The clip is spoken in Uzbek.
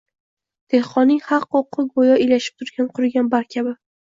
dehqonning haq-huquqi go‘yo ilashib turgan qurigan barg kabi